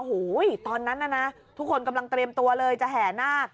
โอ้โหตอนนั้นน่ะนะทุกคนกำลังเตรียมตัวเลยจะแห่นาค